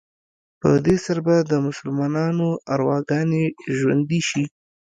په دې سره به د مسلمانانو ارواګانې ژوندي شي.